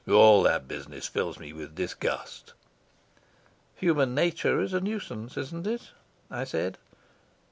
"All that business fills me with disgust." "Human nature is a nuisance, isn't it?" I said.